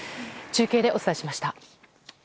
中継でお伝えしました。